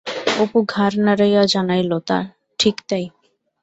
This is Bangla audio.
অপু ঘাড় নাড়াইয়া জানাইল, ঠিক তাই।